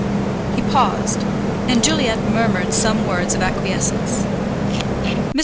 He paused, and Juliet murmured some words of acquiescence. Mr.